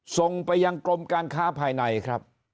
ส่งไปยังกรมการค้าภายในครับ